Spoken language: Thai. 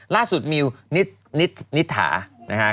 ล่าสุดมิวนิดถานะฮะ